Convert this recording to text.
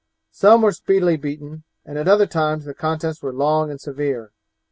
Some were speedily beaten, at other times the contests were long and severe.